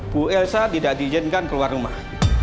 bu elsa tidak diizinkan keluar rumah